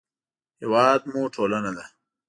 هېواد مو ټولنه ده